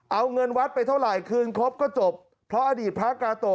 เอาเงินวัดไปเท่าไหร่คืนครบก็จบเพราะอดีตพระกาโต